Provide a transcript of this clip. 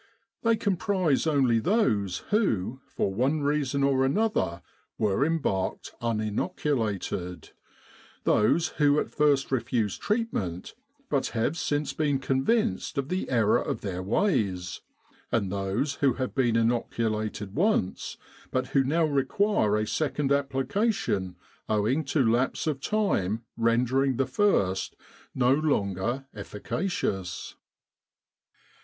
They comprise only those who, for one reason or another, were embarked uninoculated; those who at first refused treatment, but have since been convinced of the error of their ways; and those who have been inoculated once, but who now require a second application owing to lapse of time rendering the first no longer efficacious.